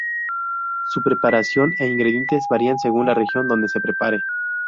Su preparación e ingredientes varían según la región donde se prepare.